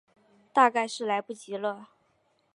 大概是来不及了